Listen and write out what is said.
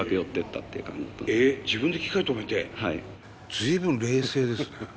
随分冷静ですね。